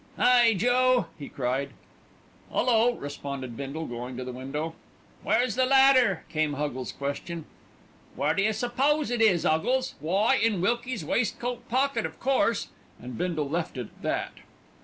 "Hi, Joe!" he cried. "'Ullo!" responded Bindle, going to the window. "Where's the ladder?" came Huggles' question. "Where d'you s'pose it is, 'Uggles? Why, in Wilkie's waistcoat pocket o' course;" and Bindle left it at that.